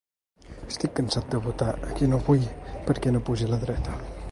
Estic cansat de votar a qui no vull perquè no pugi la dreta.